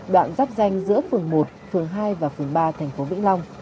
đoạn rắp ranh giữa phường một phường hai và phường ba thành phố vĩ long